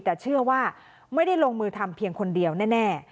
แต่เชื่อว่าไม่ได้ลงมือทำเพียงคนเดียวแน่